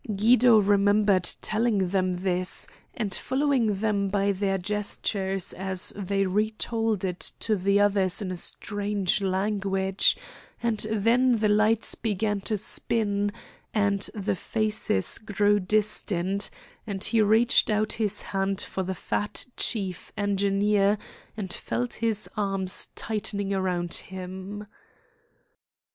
Guido remembered telling them this, and following them by their gestures as they retold it to the others in a strange language, and then the lights began to spin, and the faces grew distant, and he reached out his hand for the fat chief engineer, and felt his arms tightening around him.